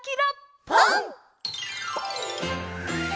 「ぽん」！